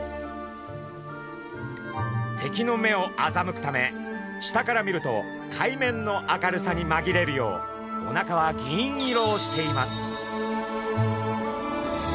敵の目をあざむくため下から見ると海面の明るさにまぎれるようおなかは銀色をしています。